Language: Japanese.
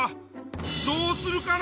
どうするかな？